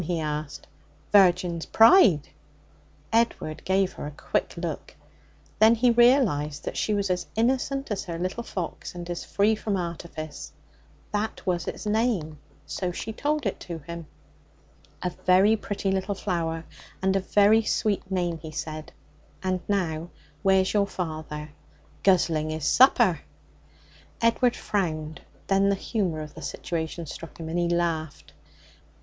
he asked. 'Virgin's pride.' Edward gave her a quick look. Then he realized that she was as innocent as her little fox, and as free from artifice. That was its name, so she told it to him. 'A very pretty little flower, and a very sweet name,' he said, 'And now, where's your father?' 'Guzzling his supper.' Edward frowned. Then the humour of the situation struck him, and he laughed.